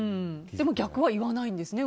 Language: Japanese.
逆は言わないんですね。